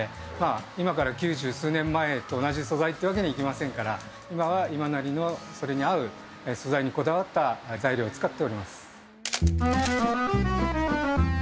今から九十数年前と同じ素材とはいきませんから今は今なりのそれに合う素材にこだわった材料を使っております。